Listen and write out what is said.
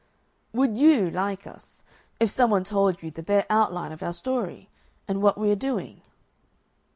"Would YOU like us if some one told you the bare outline of our story? and what we are doing?"